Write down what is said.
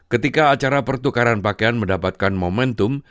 ketika acara pertukaran pakaian mendapatkan momentum